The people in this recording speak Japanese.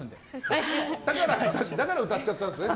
だから歌っちゃったんですね。